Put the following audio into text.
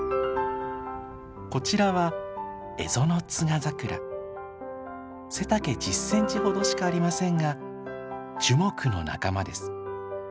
こちらは背丈１０センチほどしかありませんが樹木の仲間です。